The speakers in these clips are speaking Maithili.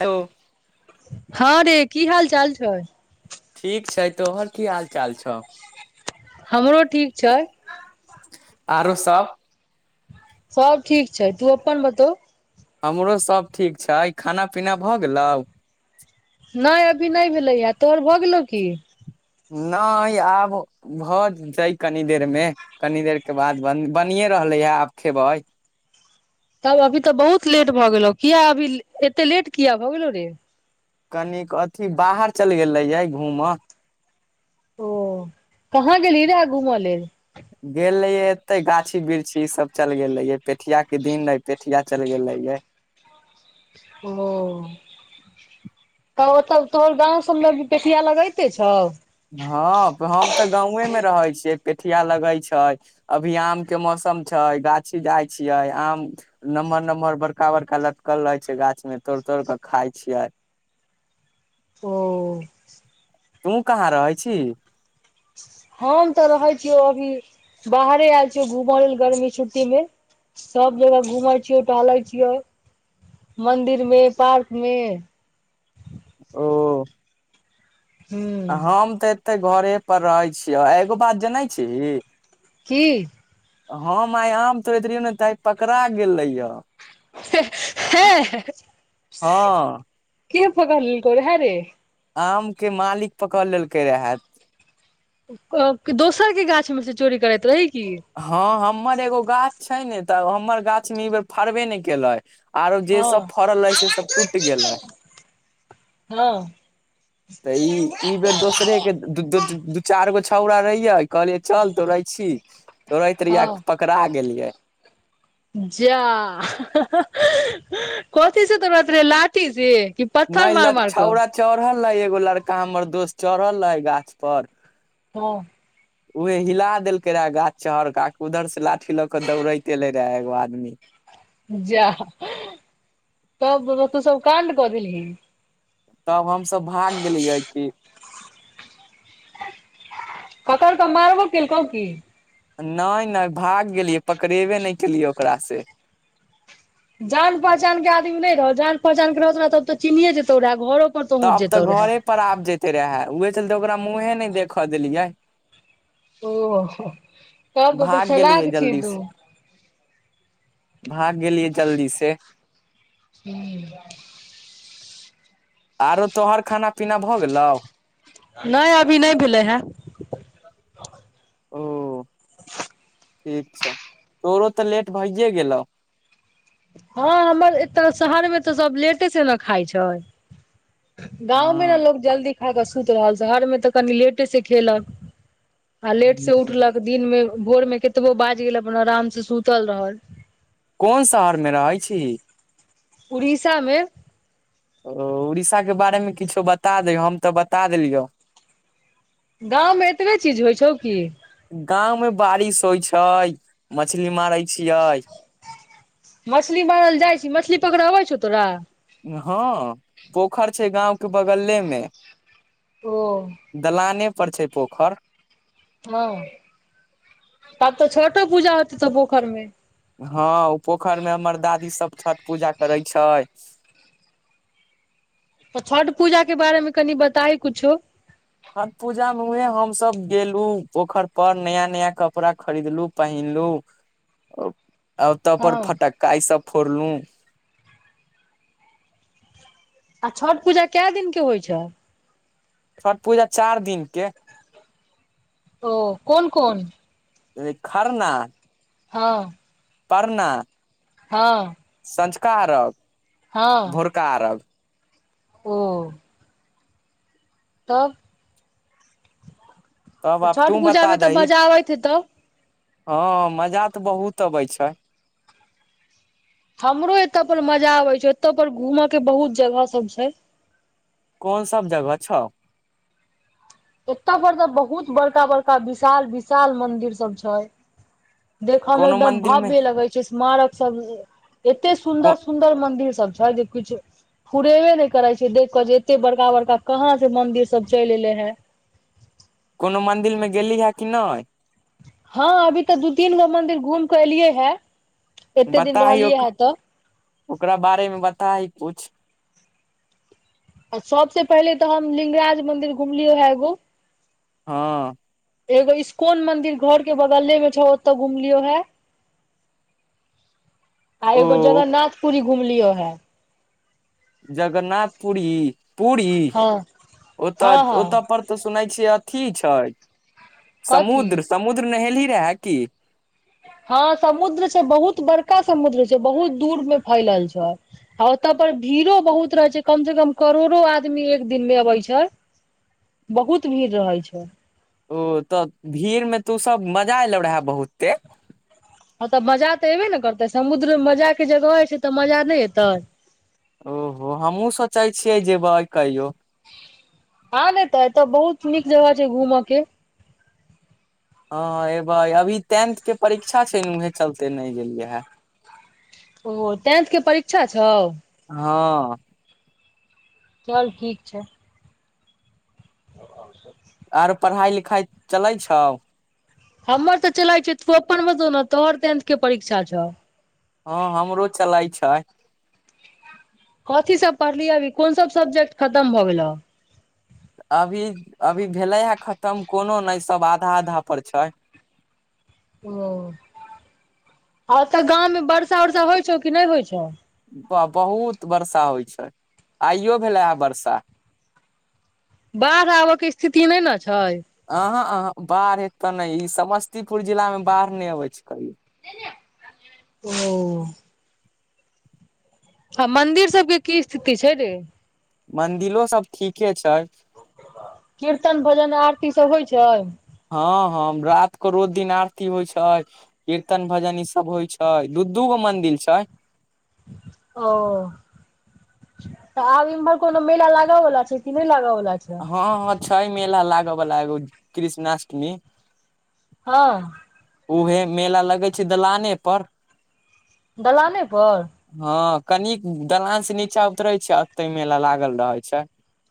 हेलो हैं रे की हाल चाल छै ठीक छै तोहर की हाल चाल छौ। हमरो ठीक छै आरो सभ सभ ठीक छै तू अपन बतउ हमरो सभ ठीक छै खाना पीना भऽ गेलै नहि अभी नहि भेलैया तोहर भऽ गेलौ कि नहि आब भऽ जाय कनी देरमे। कनी देरके बाद बनिए रहलै हे आब खेबै तब अभी तऽ बहुत लेट भ गेलो किया अभी एते लेट किया भऽ गेलौ रे कनिक अथी बाहर चलि गेलैयै घूम म ओ कहाँ गेल गेल रह घूमा लेल गेल रहिये एते गाछी वृक्षी ई सभ चल गेल रेये पेठिया के दिन रहे पेठिया चल गेल रेये ओ। तऽ ओतऽ तोहर गाव सभ ल पेठिया लगैते छौ ह हम तऽ गाेमे रहै छियै पेठिया लगे छै अभी आम के मौसम छै गाछी जाइ छियै आम। नमहर नमहर बड़का बड़का लटकल रहे छै गाछ मे तोड़ तोड़ के खाय छियै ओ। तू कहाँ रहै छी। हम तऽ रहे छियो अभी बाहरे आयल छिय घूम लेल गर्मी छुट्टी मे सभ जगह घुम छियै टहले छियै मंदिर मे पार्क मे ओ। हूँ हम तऽ एते घरे पर रहै छियै एगो बात जनै छी। कि हम आइ आम थोड़ेत रहिौ ने तऽ आइ पकड़ा गेले य हँ। ह के पकार करे ह रे आम के मालिक पकड़ लेलकै रहै। दोसर के गाछ मे से चोरी करैत रही कि ह हमर एगो गाछ छै ने तऽ हमर गाछ मे ई बेर फरबे ने केले आरो जे सभ हँ फड़ल है से सभ टूटि गेल है ह त ई। इ बेर दोसरे के दू चारि गो छौरा रहिये कहलिये चल तो रहे छी तोड़ैत रहिया हँ पकड़ा गेलियै [inaudible] जा कोथी से तोराति लाठी से पत्थर नहि मार ल मार कऽ छौड़ा चढ़ल रहे एगो लड़का हमर दोस्त चढ़ल रहे गाछ पर। हँ। उह हिला देलकै रहे गाछ चहर क उधर से लाठी लऽ के दौड़ेत एले द एगो आदमी। जा त तू सभ कंन्द कऽ देल्ही तब हमसभ भाग गेलियै कि पकर के मर्बो कल्को कि नहि नहि भाग गेलियै पकड़ेबे नहि केलियै ओकरा से। जान पहचान के आदमी नहि रहौ जान पहचान के रहौ तोरा तब तऽ चिनिए जेतौ रह घरो पर पहुँच तब तऽ जेतौ रहै घरे पर आब जते रहे उह चलते ओकरा मुँहे नहि देखऽ देलियै। ओ तब तऽ भाग गेलियै चलाक छईही जल्दी तु से भाग गेलियै जल्दी से। हू। आरो तोहर खाना पीना भऽ गेलौ। नहि अभी नहि भेलै ह ओ। ठीक छौ तोरो तऽ लेट भइए गेलौ। हँ हमर एतऽ शहर मे तऽ सभ लेटे से ने खाय छै गावमे ने हँ लोको जल्दी खा कऽ सुति रहल शहरमे तऽ कनि लेटे से खेलक आ लेट से हूँ। उठलक दिन मे भोर मे कतबो बाज गेल अपन आराम से सुतल रहल कोन शहर मे रहैत छी उड़ीसा मे ओ उड़ीसा के बारेमे किछो बता हम तऽ बता देलियै गाव मे एतब चीज होइ छौ कि गाव मे बारिश होइ छै मछली मारै छियै। मछली बारल जाइ छी मछली पकड़बै छौ तोरा। हँ पोखरि छै गाव के बगले मे ओ। दलाने पर छै पोखर ह तब तऽ छोटो पूजा होती तऽ पोखार मे हँ ओ पोखरि मे हमर दादी सभ छठ पूजा करै छै त छठ पूजा के बारेमे कनि बताइ किुछो हठ पूजा मे हु हमसभ गेलु पोखरि पर नया नया कपड़ा खरीदलु पहिनलू आ तब हँ पर फटक्का ई सभ फोड़लु आ छठ पूजा क दिन के होइ छै छठ पूजा चारि दिन के ओ कोन कोन। खरना हँ। बना। ह सँझका अरब भोरका अरब। ओ। तब। तब तऽ आब छठ तू बता पूजामे तऽ दही मजा आबैत हेतौ ह मजा तऽ बहुत अबे छै हमरो एत पर मजा आबे छै एतय पर घूमऽ के बहुत जगह सभ छै कोन सभ जगह छौ एत पर तऽ बहुत बड़का बड़का विशाल विशाल मंदिर सभ छै देखऽ मे कोनो एकदम मंदिर मे भव्य लगे छै स्मारक सभ एते को सुन्दर सुन्दर मंदिर सभ छै जे किुछु हुरेबे नहि करे छै देख कऽ जे एते बड़का बड़का कहाँ से मंदिर सभ चल एले है कोनो मंदिर मे गेली हे कि नै हँ अभी तऽ दू तीन गो मंदिर घूम कऽ एलियए है बताही ओ [inaudible] ओकरा बारेमे बताही कुछ सबसे पहिले तऽ हम लिंगराज मंदिर घुमलियो है एगो हँ एगो इस्कोन मंदिर घर केँ बगले में छौ ओते घुमलियो है [inaudible] आ एगो ओ जागरनाथपुरी घुम लियो हैं जगन्नाथ पुरी पूरी हँ [inaudible] ओतऽ हँ ओतऽ हँ पर ओत सुनै छियै अथी छै कथी समुद्र समुद्र नहेलही रहै की हँ समुद्र छै बहुत बड़का समुद्र छै बहुत दूर में फैलल छै आ ओतऽ पर भीड़ो बहुत रहे छै कम से कम करोड़ो आदमी एक दिन में अबै छै बहुत भीड़ रहै छै ओ तऽ भीड़ में तो सब मजा एलौ रहे बहुते हँ तऽ मजा तऽ एयबे नै करतै समुद्र मजा केँ जगह हइ छै तऽ मजा नै एतै ओहो हमहुँ सोचै छियै जेबै कहियो आ नऽ तऽ एतऽ बहुत नीक जगह छै घूम केँ हँ ऐबै अभी टेंथ केँ परीक्षा छै न उहे चलते नहि गेलियै है ओ टेंथ केँ परीक्षा छै हँ चल ठीक छै [unintelligible] और पढ़ाइ लिखाइ चलै छौ हमर तऽ चलै छ तु अपन बता न तोहर टेंथ कऽ परीक्षा छौ हँ हमरो चलै छै कथी सब पढ़लिय अभी कोन सब सब्जेक्ट खतम भऽ गेलो अभी अभी भेले है खतम कोनो नै सब आधा आधा पर छै ओ [inaudible] ओत गाँव मे वर्षा उर्षा होइ छौ कि नहि होइ छौ बा बहुत वर्षा होइ छै [inaudible] आइयो भेले है बर्षा बाढ़ आबय कऽ स्थिति नहि न छै अह अह बाढ़ ऐत ऽ ने ई समस्तीपुर जिला म बाढ़ नहि अबै छै कहि [unintelligible] हँ मंदिर सब केँ की स्थिति छै रे मंदिरो सब ठीके छै कीर्तन भजन आरती सब होइ छै हँ हँ रात कऽ रोज दिन आरती होइ छै कीर्तन भजन ई सब होइ छै दू दू गो मंदिर छै ओ तऽ आब इम्हर कोनो मेला लग वला छै कि नहि लगव वला छै हँ हँ छै मेला लाग बाला एगो कृष्णाष्टमी हँ उहे मेला लगै छै दलाने पर दलाने पर हँ कनि दलान से नीचा उतरे छै अते मेला लागल रहै छै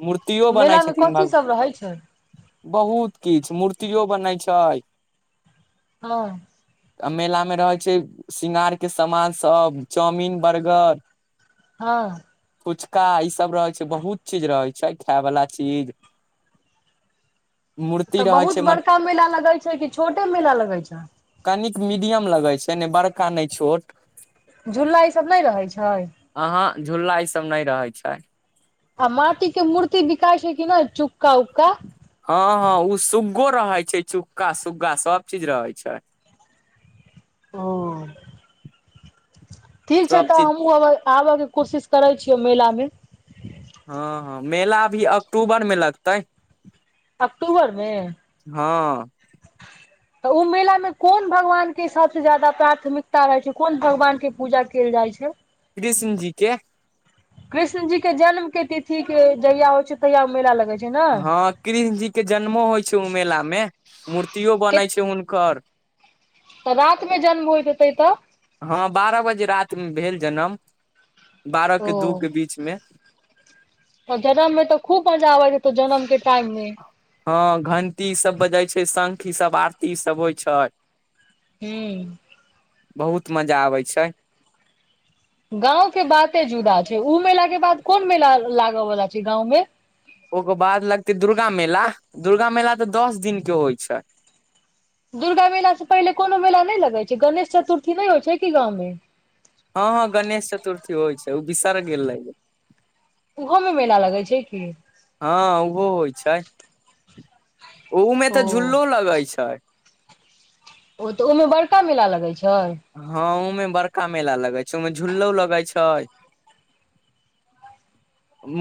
मूर्तियो बनाइ मेला मे छथिन कथी भग सब रहै छै [inaudible] बहुत किछु मूर्तियो बनै छै हँ आ मेलामे रहै छै शृंगारके सामान सब चाउमिन बर्गर हँ फुचका ई सब रहै छै बहुत चीज रहेै छै खाय वला चीज। मूर्ति तऽ रहै छै बहुत बड़का मेला लगै छै कि छोटे मेला लगै छै। कनिक मीडियम लगै छै नै बड़का नै छोट। झूला ई सब नै रहै छै। अहाँ झूला ईसभ नै रहै छै। आ माटी के मूर्ति बिकाइ छै कि नै चुक्का उक्का। हँ हँ उ सुग्गो रहै छै चुग्का सुग्गा सब चीज रहै छै। ओ, ठीक छै सब तऽ चीज हमहुँ अबै। आब के कोशिश करै छियै मेला मे। हँ हँ मेला अभी अक्टूबर मे लगतै अक्टूबरमे हँ तऽ उ मेला मे कोन भगवान के सबसे ज्यादा प्राथमिकता रहै छै कोन भगवान के पूजा केल जाइ छै। कृष्णजी के कृष्ण जी के जन्म के तिथि के जहिया होइ छै तहिया उ मेला लगै छै। ने हँ कृष्ण जी के जन्मो होइ छै उ मेला मे मूर्ति र्तियो के बनै छै हुनकर। तऽ रात मे जन्म होइत होतै तऽ। हँ बारह बजे रातमे भेल जनम बारहके दू के बीचमे तऽ जनम मे तऽ खूब मजा आबैत हेतौ जनम के टाइम मे। हँ घंटी सब बजै छै शंख ईसभ आरती सब होइ छै। हूँ बहुत मजा आबै छै। गाँंव के बाते जुदा छै उ मेला के बाद कोन मेला लागऽ बला छै गाँंव मे। ओके बाद लगतै दुर्गा मेला दुर्गा मेला तऽ दस दिन के होइ छै। दुर्गा मेलाँ से पहिले कोनो मेला नय लगै छै गणेश चतुर्थी नय होइ छै कि गाँवमे। हँ हँ गणेश चतुर्थी होइ छै उ बिसर गेल रहियै। उहो मे मेला लगै छै की। हँ उहो होइ छै, ओ उमे तऽ झुल्लो लगै छै। ओ तऽ ओहिमे बड़का मेला लगै छै। हँं ऊमे बड़का मेला लगे छै ऊमे झूल्लो लगै छै।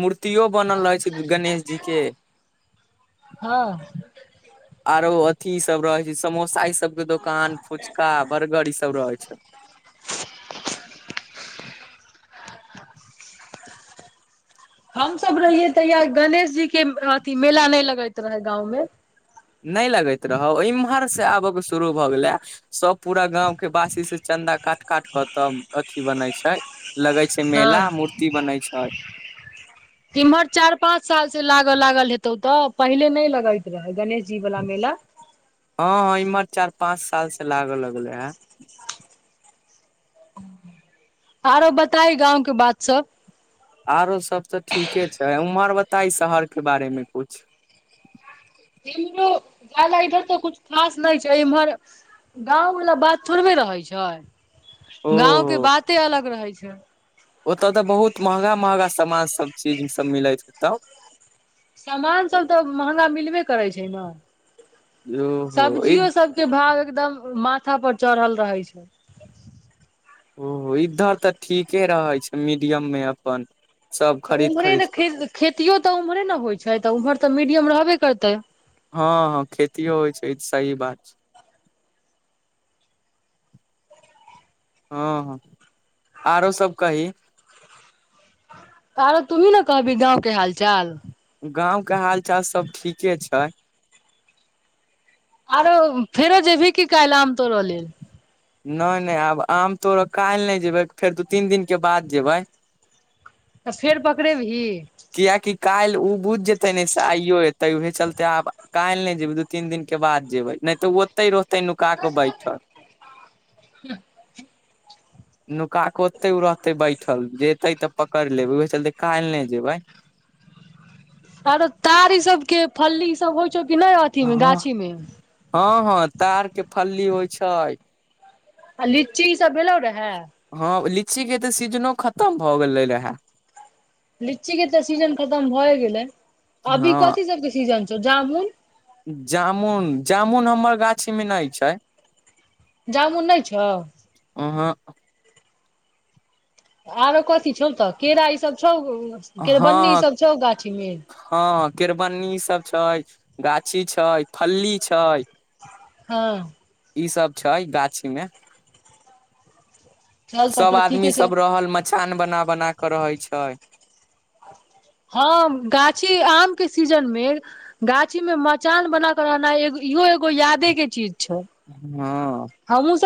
मूर्तियो बनल रहै छै गणेश जी के। हँ आरो अथी सब रहै छै समोसा ई सब के दोकान फुचका बर्गर ई सब रहेै छै। हमसब रहियै तहिया गणेश जी के अथी मेला नय लगैत रहै गाँंव मे। नय लगैत रहौ इम्हर से आब के शुरू। भऽ गेलैए सब पूरा गांव के वासी से चन्दा काट काट के तब अथि बनै छै। लगै छै मेला हँ मूर्ति बनै छै। एम्हर चारि पाँच साल से लागऽ लागल हेतौ तऽ पहिले नय लगैत रहेै गणेश जी वाला मेला। हँ हँ इम्हर चार पाँच साल से लागऽ लगले हे। आरो बताही गाँंव के बात सब। आरो सब तऽ ठीके छै उम्हर बताही शहर के बारे मे कुछ। इमहरो जाला इधर तऽ कुछ खास नहि छै इमहर गाँवबला बात थोड़बे रहै छै ओ [inaudible] गाँव केँ बाते अलग रहे छै ओत तऽ बहुत महंगा महंगा सामान सब चीज सब मिलैत हेतौ समामान सब तऽ महंगा मिलबे करै छै न [inaudible] ओहो ई सब्जियो सब केँ भाव एकदम माथा पर चढ़ल रहे छै ओ इधर तऽ ठीके रहे छै मीडियम मे अपन सब तऽ खरीद उम्हरे ने खरीद कऽ खे खेतियो तऽ ओम्हरे नऽ होइत छै तऽ उम्हर तऽ मीडियम रहबे करतै हँ हँ खेतियों होइ छै ई सही बात छै हँ हँ [inaudible] आरो सब कही सारा तुही न कहबी गाँव केँ हाल चाल गाँव कऽ हाल चाल सब ठीके छै आरो फेरो जेबही की काइल आम तोड़ो लेल नै नै आब आम तोड़ काइल नै जेबै फेर दू तीन दिन केँ बाद जेबै तऽ फेर पकड़े बी ही किआकि काइल ओ बुझ जेतै न से आइयो एतै उहे चलते आब काइल नै जेबै दू तीन दिन कऽ बाद जेबै नहि तऽ ओते रह औतै नुका कऽ बैठल [inaudible] नुका कऽ ओते उ रहते बैठल जेते ऐतै तऽ पकड़ लेबे ओह चलते काइल नै जेबे अरो तारी सब केँ फल्ली ई सब होइ छौ कि नहि अथि मे हँ गाछी मे हँ हँ तार कऽ फल्ली होइ छै आ लिची ई सब भेलै रहै हँ लीची केँ तऽ सीजनो खतम भऽ गेले रहै लीची केँ तऽ सीजन खतम भए गेले अभी हँ कथी सब के सीजन छौ जामुन जामुन जामुन हमर गाछीमे नहि छै जामुन नहि छौ [unintelligible] आरो कथी छौ तऽ केरा ई सब छौ केररबन्नी ई हँ सब छौ गाछी मे हँ केररबनी ई सब छै गाछी छै फल्ली छै हँ इ सब छै गाछी मे चल तब सब तऽ आदमी ठीके छौ सब रहल मचान बना बना कऽ रहे छै हँ गाछी आम केँ सीजन मे गाछी में मचान बना कऽ रहनाइ ए इहो एगो यादे कऽ चीज छौ हँ हमहुँ सब